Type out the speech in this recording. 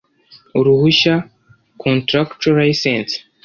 uruhushya contractual license